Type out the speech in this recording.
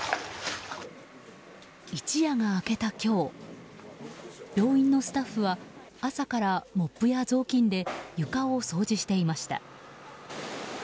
一夜が明けた今日病院のスタッフは朝から、モップや雑巾で床を掃除していました。